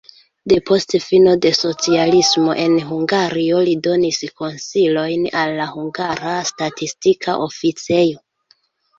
Depost fino de socialismo en Hungario li donis konsilojn al la hungara statistika oficejo.